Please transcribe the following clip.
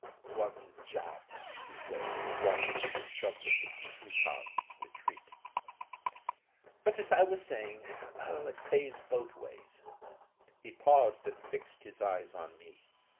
"Wants a job," he said, watching the discomfited Teuton's retreat, "but, as I was saying oh, it pays both ways." He paused and fixed his eyes on me.